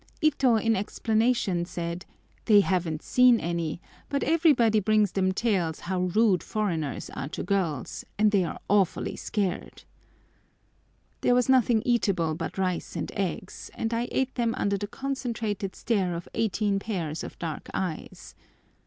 Ito in explanation said, "They haven't seen any, but everybody brings them tales how rude foreigners are to girls, and they are awful scared." There was nothing eatable but rice and eggs, and I ate them under the concentrated stare of eighteen pairs of dark eyes.